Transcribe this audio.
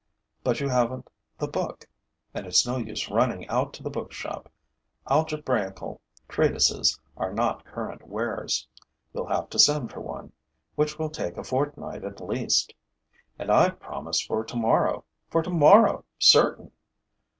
But you haven't the book. And it's no use running out to the bookshop. Algebraical treatises are not current wares. You'll have to send for one, which will take a fortnight at least. And I've promised for tomorrow, for tomorrow certain!